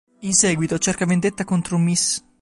In seguito cerca vendetta contro Ms.